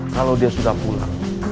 kalau dia sudah pulang